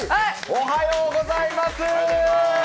おはようございます。